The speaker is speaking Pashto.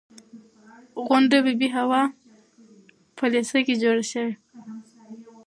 غونډه د بي بي حوا په لېسه کې جوړه شوې وه.